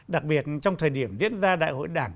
đặc biệt trong thời điểm diễn ra đại hội đảng